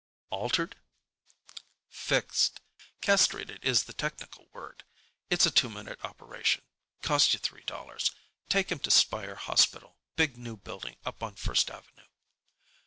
"Altered?" "Fixed. Castrated is the technical word. It's a two minute operation. Cost you three dollars. Take him to Speyer Hospital—big new building up on First Avenue."